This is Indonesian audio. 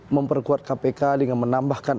memperkuat kpk dengan menambahkan